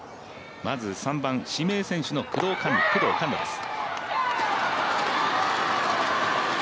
まず３番、指名選手の工藤環奈です。